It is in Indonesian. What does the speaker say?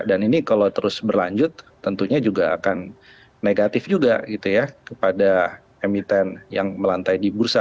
dan ini kalau terus berlanjut tentunya juga akan negatif juga gitu ya kepada emiten yang melantai di bursa